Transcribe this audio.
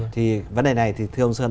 thì vấn đề này thì thưa ông sơn